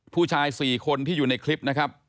ผู้ชาย๔คนที่อยู่ในคลิปนะครับ